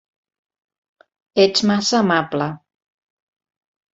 Ets massa amable.